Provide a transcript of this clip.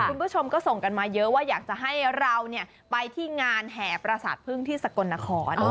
คุณผู้ชมก็ส่งกันมาเยอะว่าอยากจะให้เราไปที่งานแห่ประสาทพึ่งที่สกลนคร